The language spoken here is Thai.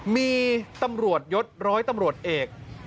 มีตำรวจยศร้อยตำรวจเอก